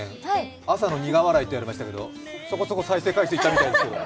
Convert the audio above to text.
朝の苦笑いってやりましたけどそこそこ再生回数いったみたいですけどね。